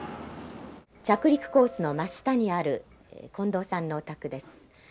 着陸コースの真下にある近藤さんのお宅です。